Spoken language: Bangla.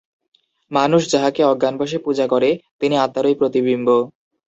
মানুষ যাঁহাকে অজ্ঞানবশে পূজা করে, তিনি আত্মারই প্রতিবিম্ব।